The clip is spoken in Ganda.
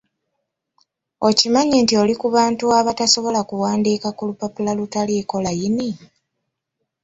Okimanyi nti oli ku bantu abatasobola kuwandiika ku lupapula olutaliiko layini?